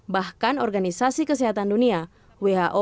bahkan organisasi kesehatan dunia who